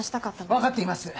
分かっています